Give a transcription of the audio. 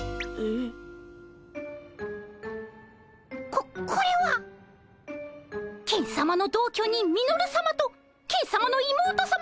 ここれはケンさまの同居人ミノルさまとケンさまの妹さまのさくらさま！